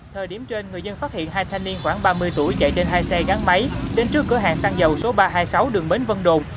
thời điểm trên người dân phát hiện hai thanh niên khoảng ba mươi tuổi chạy trên hai xe gắn máy đến trước cửa hàng xăng dầu số ba trăm hai mươi sáu đường bến vân đồn